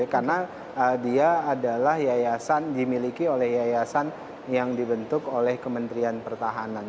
karena dia adalah yayasan dimiliki oleh yayasan yang dibentuk oleh kementerian pertahanan